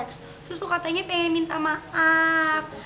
terus tuh katanya pengen minta maaf